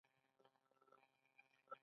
د چین جمهوریت په دوره کې صنعتونه وده وکړه.